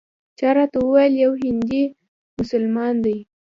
چا راته وویل یو هندي مسلمان دی.